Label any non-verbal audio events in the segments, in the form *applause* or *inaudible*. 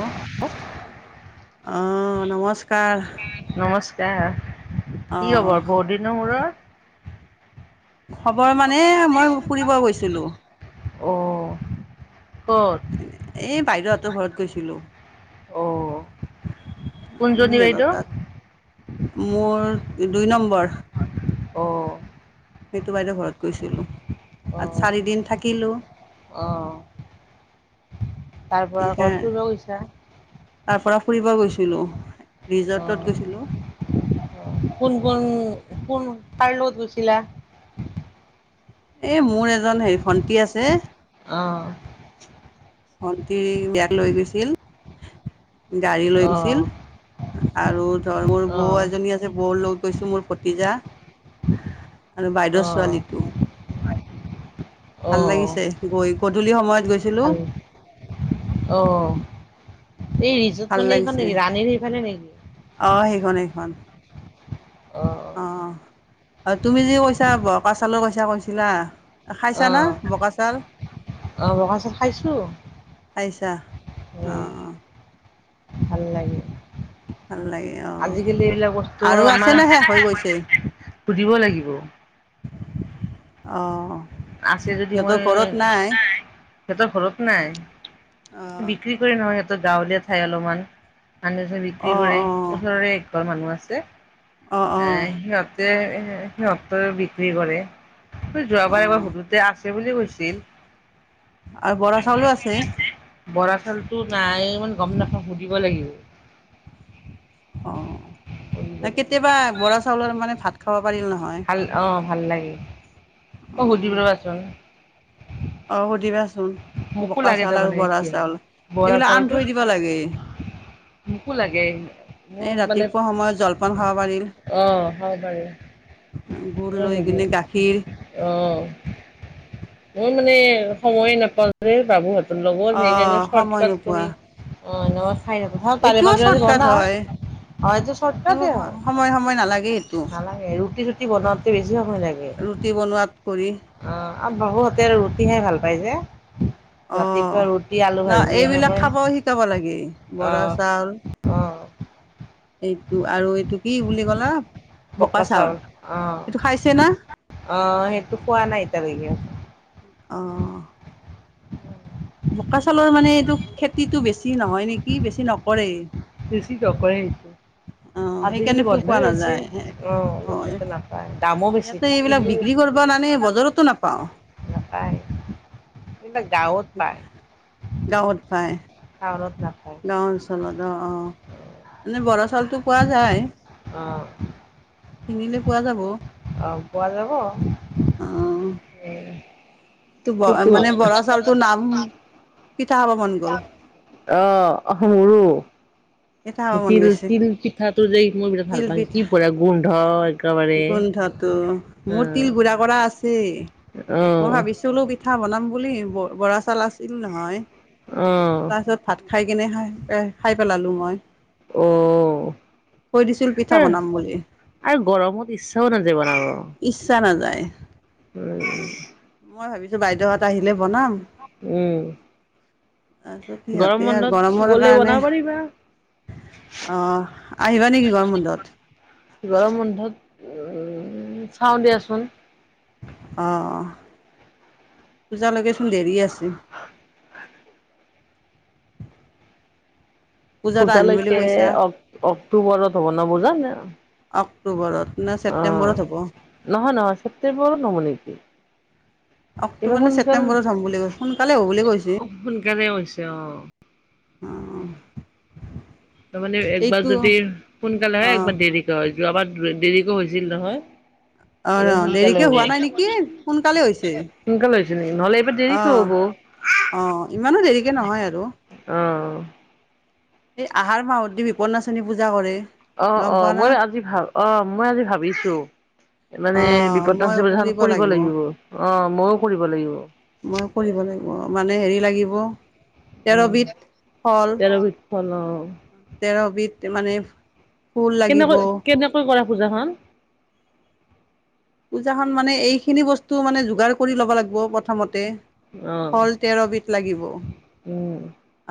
অহ। অ' নমস্কাৰ। নমস্কাৰ কি খবৰ অঁ বহুত দিনৰ মুৰত? খবৰ মানে মই ফুৰিব গৈছিলো। অ' ক'ত? এ' বাইদেউহতৰ ঘৰত গৈছিলো। অ' কুঞ্জনী সিহতৰ বাইদেউ তাত। মোৰ দুই নম্বৰ। অ' সেইটো বাইদেউ ঘৰত গৈছিলো আৰু অ' চাৰিদিন থাকিলো। অ' তাৰ পৰা সেইকাৰ ক'ত ফুৰিব গৈছা? তাৰ পৰা ফুৰিব গৈছিলো ৰিজৰ্টত অ' গৈছিলো। অ' কোন, কোন, কোন কাৰগলত গৈছিলা? এই মোৰ এজন হেৰি ভন্তি আছে। অ' ভন্তিৰ বেগ লৈ গৈছিল গাড়ী লৈ গৈছিল। অ' আৰু ধৰ মোৰ বৌ অ' এজনী আছে বৌ লগ গৈছে মোৰ ভতিজা। আৰু বাইদেউৰ অ' ছোৱালীটো। ভাল অ' লাগিছে গৈ গধূলি সময়ত গৈছে। ভাল অ' এই ভাল মানে এইখন লাগিছে নেকি ৰাণীৰ সেইফালে নেকি আহ সেইখন, সেইখন। অ' অ' তুমি যে কৈছা বকা চাউলৰ কৈছা কৈছিলা। খাইছানা অ' বগাচাউল? অ' বগা চাহ খাইছোঁ খাইছা উম, অ' ভাল লাগে। ভাল লাগে আজিকালি এইবিলাক বস্তু আহ আৰু আমাৰ আছে নে শেষ হৈ গৈছে? সুধিব লাগিব। অ'। আছে যদি সিহঁতৰ ঘৰত নাই মই-ইতোনাই সিহঁতৰ ঘৰত নাই অ বিক্ৰী কৰে নহয় সিহঁতৰ গাঁৱলীয়া ঠাই অলপমান। আনাৰসো অ বিক্ৰী কৰে অ ওচৰৰে একঘৰ মানুহ আছে। অ অ্ এ সিহঁতে সিহঁতেও বিক্ৰী অ কৰেযোৱাবাৰ এবাৰ সু সিহঁতে আছে বুলি কৈছিল। আৰু বৰা চাউলো আছে আমাৰপিনেআছে। বৰা চাউলতো নাই ইমান গম নাপাওঁ সুধিব লাগিব। সুধিব অ কেতিয়াবা লাগিব। বৰা চাউলৰ মানে ভাত খাব পাৰিল নহয়। অ ভাল লাগে। মই সুধিম অ ৰ'বাচোন অ সুধিবাচোন মোকো বোকা লাগে চাউল আৰু তাৰমানে বৰা এতিয়া। চাউল বৰা এইবিলাক আনি চাউলটো থৈ দিব লাগে। মোকো লাগে। মোৰ এই মানে ৰাতিপুৱা সময়ত জলপান খাব পাৰি। অ', খাব পাৰি গুৰ অ', লৈ সুধি কিনে গাখীৰ। অ মই মানে সময় নাপাওঁ যে বাবুহঁত অ লগতনিনি শৰ্ট সময় কাট নোপোৱা কৰি অ ন্ খাই থকো ময়ো তাৰে এইটোও মাজে মাজে চৰ্টকাট বনাওঁ। হয় অ এইটো ৰ্শট কাটে হয় সময় সময় নালাগে এইটো নালাগে ৰুটি চুটি বনাওঁ বেছি সময় লাগে ৰুটি বনোৱাত কৰি অ আৰু বাবুহঁতে ৰুটিহে ভাল পাই যে, অ ৰাতিপুৱা ৰুটি আলু না ভাজি এইবিলাক এনেকৈ খাবওঁ শিকাব লাগে বৰা অ', চাউল। অ', এইটো আৰু এইটো কি বুলি কলা। বোকা চাউল অ এইটো খাইছে না অ সেইটো খোৱা নাই এতিয়া লৈকে? অহ্ *inaudible* বোকা চাউলৰ মানে এইটো খেতিটো বেছি নহয় নেকি বেছি নকৰে। বেছি নকৰে। অ', আজিকালি সেইকাৰণে পো পোৱা বন্ধই হৈছে নাযায়। অ লোকেলটো নাপায় দামো বেছিকিনো। জাকিবানানে বজাৰতো নাপাওঁ পায়। এইবিলাক গাঁৱত। গাঁৱত পাই। টাউনত নাপাই। গাঁও অঞ্চলত অ অ এনে বৰা চাউলটো পোৱা যায় অহ্ কিনিলে পোৱা যাব। অ পোৱা যাব ম অ', এইটো ব মানে বৰা চাউলটোৰ নাম পিঠা খাব মন গ'ল। অহ মোৰো। পিঠা খাব মন তিল গৈছে। তিল পিঠাটো যে এইটো মই বিৰাট ভাল তিল পাওঁ কি পিঠা বঢ়িয়া গোন্ধ। একেবাৰে গোন্ধটো মোৰ অ' তিল গুৰা কৰা আছেই মই অ' ভাবিছিলো পি তিলপিঠা বনাম বুলি ব বৰা চাউল আছিল নহয়। উম', তাৰ পিছত ভাত খাই কেনে খাই খাই পেলালো মই। অ' থৈ দিছিল পিঠা বনাম বুলি। আৰু গৰমত ইচ্ছাও নাযায় বনাব। ইচ্ছা নাযায়। উম। মই ভাবিছো বাইদেউহঁত আহিলে বনাম। উম। তাৰপিছত গৰম সিহঁতে আৰু বন্ধত গৰমৰ গ'লে কাৰণে বনাব পাৰিবা অহ, আহিবা নেকি গৰম বন্ধত? গৰম বন্ধত, উম, চাওঁ দিয়াচোন। অঁ, পূজালৈকেচোন দেৰি আছে। পূজাত আহিম বুলি পূজালৈকে কৈছা অক, অক্টোবৰত হ'ব ন, পূজা! অক্টোবৰত। নে অ', ছেপ্টেম্বৰত হ'ব নহয়, নহয়, ছেপ্টেম্বৰত হ'ব নেকি। এইবাৰ অক্টোবৰ নে সোনকাল অ ছেপ্টেম্বৰত হ'ব বুলি কয়, সোনকালে হ'ব বুলি কৈছে। সোনকালে হৈছে। অ'। তাৰমানে একবাৰ এইটো যদি সোনকালে হয়, অঁ একবাৰ দেৰিকে হয়। যোৱাবাৰ দে-দেৰিকে হৈছিল নহয়। অঁ এইবাৰ অঁ সোনকালে দেৰিকে হ'ব। হোৱা নাই নেকি হৈছে সোনকালে হৈছে নেকি, নহ'লে এইবাৰ দেৰিকে হ'ব। অ', ইমানো দেৰিকে নহয় আৰু। অ'। এই আহাৰ মাহত দি বিপন্ননাচনী পূজা কৰে। অ', গম অ', পোৱা না মই আজি ভাব, অ', মই আজি ভাবিছো। মানে বিপদ নাচনী পূজা কৰিব লাগিব। অ, ময়ো কৰিব লাগিব। মই কৰিব লাগিব, মানে হেৰি লাগিব। উম তেৰবিধ ফল, তেৰ বিধ ফল অ তেৰবিধ মানে ফুল লাগিব। কেনেকৈ *unintelligible* পূজাখন। পূজাখন মানে, এইখিনি বস্তু মানে যোগাৰ কৰি ল'ব লাগিব প্ৰথমতে। অ ফল তেৰবিধ লাগিব। উম।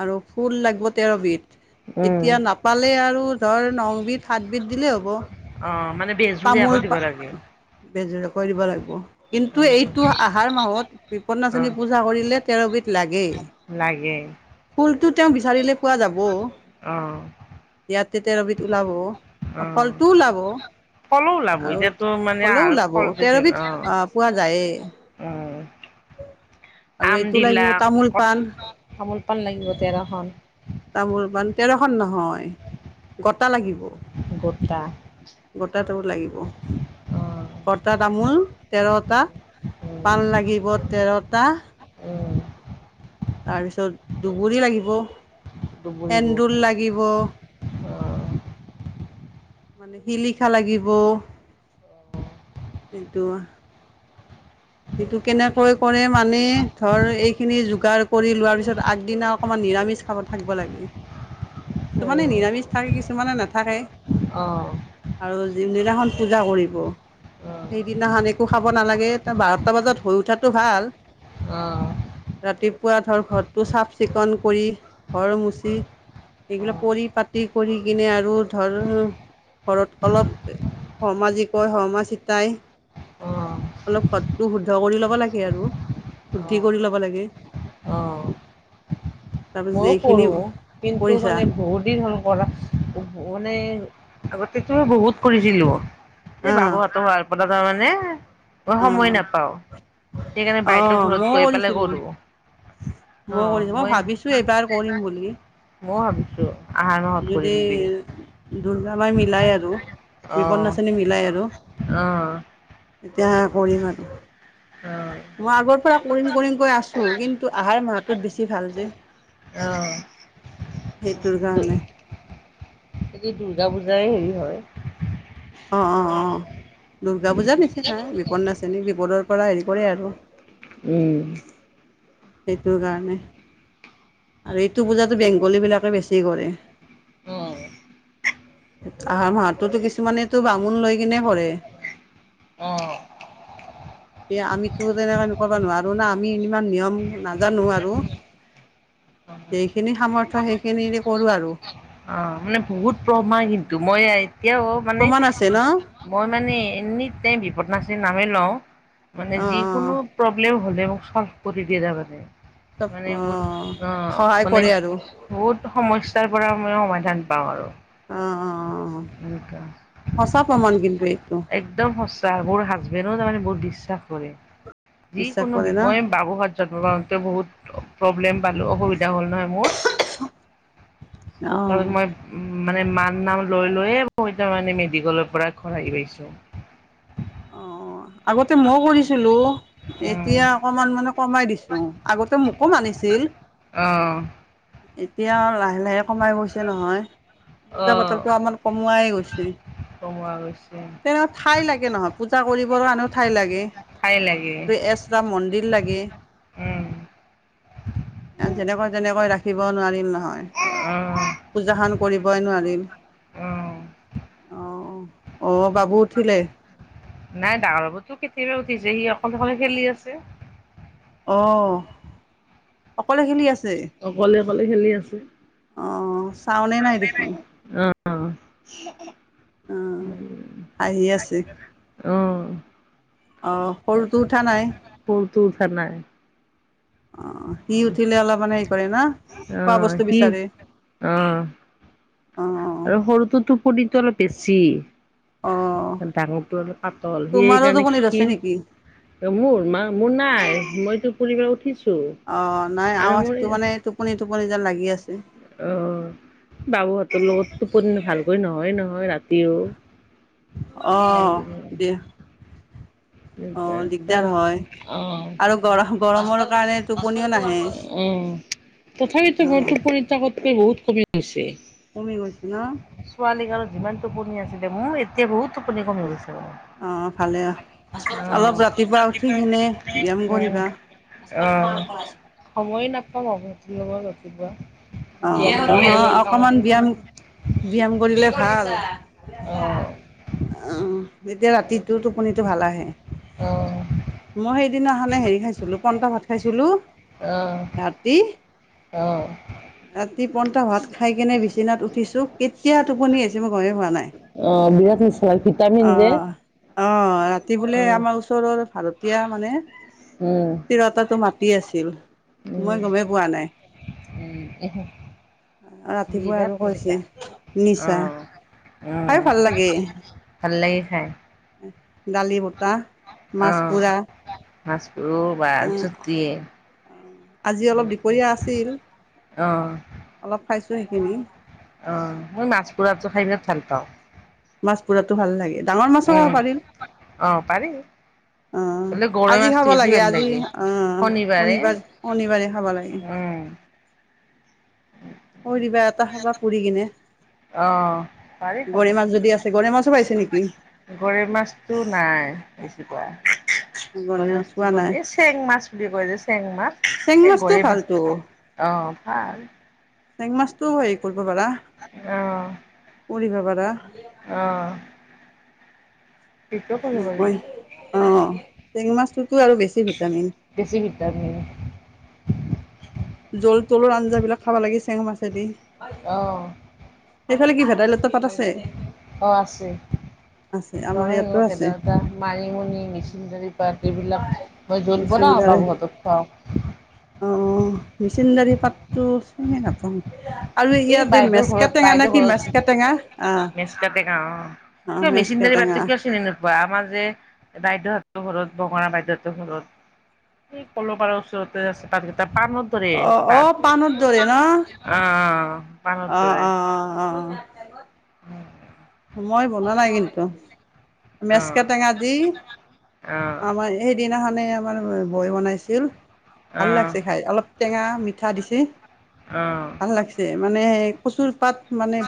আৰু ফুল লাগিব তেৰবিধ। উম এতিয়া নাপালে আৰু ধৰ, ন বিধ, সাতবিধ দিলেই হ'ব। অ, মানে বেযুৰীয়াকৈ দিব লাগে। বেযুৰীয়া কৈ দিব লাগিব। অ কিন্তু এইটো আহাৰ মাহত অ বিপন্নাচনী পূজা কৰিলে তেৰবিধ লাগেই। লাগে। ফুলটো তেওঁ বিচাৰিলে পোৱা যাব। অ'। ইয়াতে তেৰবিধ ওলাব, অ ফলটোও ওলাব। ফলো ওলাব আৰু এতিয়াতো মানে ফলও আহাৰত ওলাব, ফল দিছিল তেৰবিধ অ আহ পোৱা যায়েই। উম। আৰু আম এইটো দিলা, লাগিব তামোল কঠ, পাণ তামোল-পাণ লাগিব তেৰখন। তামোল-পাণ তেৰখন নহয়, গটা লাগিব। গোটা। গোটাটোও লাগিব। অ গটা তামোল তেৰটা, উম পাণ লাগিব তেৰটা। উম তাৰপিছত দুবৰি লাগিব, দুবৰিবোৰ সেন্দুৰ লাগিব। অ শিলিখা লাগিব। কিন্তু- এইটো কেনেকৈ কৰে মানে, ধৰ, এইখিনি যোগাৰ কৰি লোৱাৰ পিছত আগদিনা অকণমান নিৰামিষ খাব থাকব লাগে। কিছুমানে নিৰামিষ থাকে কিছুমানে নাথাকে অ'। আৰু যিদিনাখন পূজা কৰিব, অ সেইদিনাখন একো খাব নালাগে। বাৰটা বজাত হৈ উঠাটো ভাল অ'। ৰাতিপুৱা ধৰ, ঘৰটো চাফ চিকুণ কৰি ঘৰ মুচি এইবিলাক অ', পৰিপাতি কৰি কিনে আৰু ধৰ, ঘৰত অলপ শৰ্মা যি কয় শৰ্মা চিতাই অ', অলপ ঘৰটো শুদ্ধ কৰি ল'ব লাগে আৰু, শুদ্ধি অ', কৰি ল'ব লাগে। *inaudible* মইও এইখিনি কৰো কিন্তু কৰিছা মানে বহুত দিন হল কৰা মানে আগতেতো বহুত কৰিছিলোঁ অ এই বাবু হঁতৰ হোৱাৰ পৰা তাৰমানে মই অ সময় অ নাপাও সেইকাৰণে বাইদেউ ঘৰত ময়ও গৈ পেলাই কৰিছিলোঁ কৰো মই কৰিছোঁ মই ভাবিছো এইবাৰ কৰিম বুলি ময়ো ভাবিছো আহাৰ মাহত যদি কৰিম বুলি দুৰ্গা মাই মিলাই আৰু অ', বিপদনাশিণী মিলাই আৰু অ', এতিয়া কৰিম আৰু অ', মই আগৰ পৰা কৰিম কৰিম কৈ আছো কিন্তু আহাৰ মাহটোত বেছি ভাল যে অ', সেইটোৰ কাৰণে যদি দুৰ্গা পূজাই হেৰি হয় অ, অ, অ, দূৰ্গা উম, পূজাৰ নিচিনাই বিপদ নাশীনী বিপদৰ পৰা হেৰি কৰে আৰু উম সেইটোৰ কাৰণে আৰু এইটো পূজাটো বেংগলী বিলাকে বেছি কৰে আহাৰ মাহতোতো কিছুমানেতো বামুণ লৈ কিনে কৰে অ' এ আমিতো তেনেকে *unintelligible* কৰিব নোৱাৰো না আমি ইমান নিয়ম নাজানো আৰু অ'। যেইখিনি সামৰ্থ‌ সেইখিনি কৰোঁ আৰু অ' মানে বহুত প্ৰমান কিন্তু মই এতিয়াও মানে প্ৰমাণ আছে ন মই মানে এনি টাইম বিপদনাচিনী নামে লও মানে অ অ যিকোনো প্ৰব্লেম হলেও চল্ভ কৰি দিয়ে তাৰ মানে চব মানে অ মোৰ অ' সহায় মানে কৰে আৰু বহুত সমস্যাৰ পৰা মানে সমাধান পাওঁ আৰু অ' অ' এনেকুৱা। সঁচা প্ৰমাণ কিন্তু এইটো একদম সঁচা মোৰ হাজবেণ্ডও তাৰমানে বহুত বিশ্বাস কৰে বিশ্বাস যিকোনো কৰে বিপ না মই বাবুহঁত জন্ম পাওঁতে বহুত প্ৰব্লেম পালো অসুবিধা হ'ল নহয় মোৰ অ *unintelligible* মই মানে মাৰ নাম লৈ লৈয়ে মই তাৰমানে মেডিকেলৰ পৰা ঘৰ আহি পাইছোঁ অ' আগতে মইও কৰিছিলোঁ উম, এতিয়া অকমান মানে কমাই দিছোঁ আগতে মোকো মানিছিল অ' এতিয়া আৰু লাহে লাহে কমাই গৈছে নহয় পুজা অ', পাতলটো আমাৰ কমোৱাই গৈছে কমোৱা গৈছে। তেনেকুৱা ঠাই লাগে নহয় পূজা কৰিবৰ কাৰণেও ঠাই লাগে ঠাই লাগে, এক্সটা মন্দিৰ লাগে উম, আও যেনেকৈ তেনেকৈ ৰাখিব‌ও নোৱাৰিম নহয় অ', পূজাখন কৰিবই নোৱাৰিম অ'। অ' অ' বাবু উঠিলে? নাই ডাঙৰ বাবুতো কেতিয়াবা উঠিছে, সি অকলে অকলে খেলি আছে। অ' অকলে খেলি আছে? অকলে অকলে খেলি আছে। অ', চাওনে নাই দেখোন? অ', অঁ হাঁহি আছে অ'। অঁ, সৰুটো উঠা নাই? সৰুটো উঠা নাই। অ' সি উঠিলে অলপ মানে হেৰি কৰে ন, খোৱা অ', বস্তু সি বিচাৰে? অ'। অঁ আৰু সৰুটোৰ টোপনি অলপ বেছি। অঁ ডাঙৰটো অলপ পাতল, সি সেই তোমাৰো কাৰণে টোপনি ধৰিছে ক্ষীণ। নেকি মোৰ মা মোৰ নাই মইতো ফুৰি পেলাই উঠিছো। অ' নাই আৱাজটো মানে টোপনি টোপনি যেন লাগি আছে। অ' বাবুহঁতৰ লগত টোপনি ভালকৈ নহয়ে নহয় ৰাতিও? অহ অ', দিয়া। অ', দিগদাৰ হয়। আৰু গৰ গৰমৰ কাৰণে টোপনিও নাহে। অ'। *inaudible* কে বহুত কমি গৈছে। কমি গৈছে না? ছোৱালী কালত যিমান টোপনি আছিলে মোৰ, এতিয়া বহুত টোপনি কমি গৈছে। অ', ভালে, অ', অলপ ৰাতিপুৱা উঠি কিনে ব্যায়াম উম, কৰিবা। *inaudible* অ'। সময়ে নাপাওঁ *unintelligible* লব ৰাতিপুৱা। অ ব্যায়াম কৰা নহয় অকমান ব্যায়াম সময়খিনি ব্যায়াম কৰিলে ভাল। অহ, অ', তেতিয়া ৰাতিটো টোপনিটো ভাল আহে। অ', অ', মই সেইদিনাখনে হেৰি খাইছিলোঁ পন্তা ভাত খাইছিলোঁ। তাত দি অ'। ৰাতি পন্তা ভাত খাইকিনে বিচনাত উঠিছোঁ, কেতিয়া টোপনি আহিছেঁ মই গ'মে পোৱা নাই। অ', বিৰাট নিছা হয় ভিটামিন অ যে। অ', ৰাতি বোলে উম। আমাৰ ওচৰৰ ভাড়াতীয়া মানে তিৰোতাটো মাতি আছিল, মই গ'মেই পোৱা নাই। *inaudible* ৰাতিপুৱা আৰু বিৰাট কৈছে নিচা। নিছা অহ, খাই হয়। ভাল লাগে ভাল লাগে খায়। দালি বটা, মাছ অ', পোৰা মাছ ৰ'বা জুতিয়ে। আজি অলপ দুপৰীয়া আছিল, অ', অলপ খাইছোঁ সেইখিনি। অ', মই মাছ পোৰাটো খাই বিৰাত ভালপাওঁ। মাছ পোৰাতো ভাললাগে। ডাঙৰ মাছো খাব উম, পাৰি। অ', পাৰি। অ', হ'লে গৰৈ আজি মাছটো খাব বেছি লাগে ভাল আজি অ', শনিবাৰে শনিবাৰ, শনিবাৰে খাব লাগে। উম, শনিবাৰে এটা খাবা পুৰি কিনে। অ', পাৰি খাব গৰৈ মাছ যদি আছে, গৰৈ মাছো পাইছে নেকি? গৰৈ মাছটো নাই দেখি পোৱা। গৰৈ মাছ পোৱা মাছটো, নাই এই চেং মাছ বুলি কয় যে চেং মাছ এই গৰৈ মাছ ফাল্টু অ', ভাল। চেং মাছটো হেৰি কৰিব পাৰা, অ', পুৰিব পাৰা। অ'। পিকো কৰিব পাৰি। নকয় অ', চেং মাছটোতো আৰু বেছি ভিটামিন। বেছি ভিটামিন। জোল তোলৰ আঞ্জাবিলাক খাব লাগে, চেং মাছেদি। অ'। সেইফালে কি ভেদাইলতা পাত আছে? অ', আছে আছে আমাৰ ইয়াতো নৰসিংহ আছে ভেদাইলতা মানিমুনি, মেছেণ্ডৰি পাত এইবিলাক মই জোল বনাওঁ মেচিনদাৰে বাবুহঁতক খোৱাওঁ। অ', অ' মেছেণ্ডৰি পাতটো চিনি নাপাওঁ। আৰু এই ইয়াতে বাইদেউৰ মেচকা ঘৰত টেঙা বাইদেউৰ নেকি ঘৰত মেচকা টেঙা অ', মেচকাতে গাওঁ অ'। অ', কিয় মেচিনদাৰী মেচকা পাতটো টেঙা। কিয় চিনি আমাৰ যে বাইদেউহঁতৰ ঘৰত বঙৰা বাইদেউহঁতৰ ঘৰত সে ক'লপাৰৰ ওচৰত তাতে আছে পাতগেটা পানৰ দৰে, অ অ পাণৰ দৰে ন তাত অ', অ'। পাণৰ অ', দৰে। অ', অ', অ'। *unintelligible* মই বনোৱা নাই কিন্তু, মেচকে অ', টেঙা দি অ', আমাৰ এ সেইদিনাখানেই আমাৰ বৌৱে বনাইছিল ভাল অ', লাগছে খাই, অলপ টেঙা মিঠা দিছি অ'। ভাল লাগিছে মানে কচুৰ পাত মানে